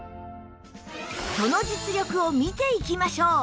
その実力を見ていきましょう